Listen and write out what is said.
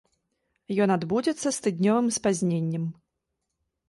Ён адбудзецца з тыднёвым спазненнем.